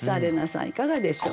いかがでしょう？